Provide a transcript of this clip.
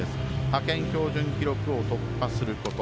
派遣標準記録を突破すること。